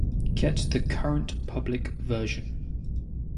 Get the current public version